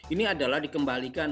ini adalah dikembalikan